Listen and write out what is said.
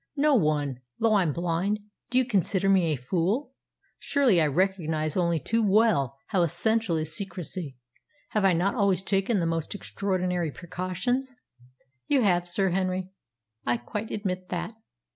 "No one. Though I'm blind, do you consider me a fool? Surely I recognise only too well how essential is secrecy. Have I not always taken the most extraordinary precautions?" "You have, Sir Henry. I quite admit that.